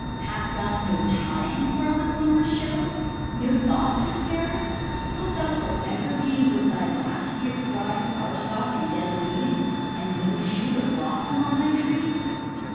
Hast thou no time for all this wondrous show, No thought to spare? Wilt thou forever be With thy last year's dry flower stalk and dead leaves, And no new shoot or blossom on thy tree?